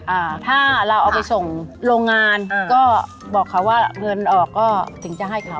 อ่าถ้าเราเอาไปส่งโรงงานอ่าก็บอกเขาว่าเงินออกก็ถึงจะให้เขา